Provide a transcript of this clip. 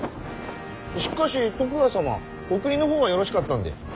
しっかし徳川様お国の方はよろしかったんで？